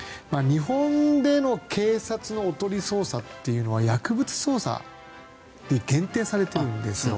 日本での警察のおとり捜査っていうのは薬物捜査に限定されているんですよ。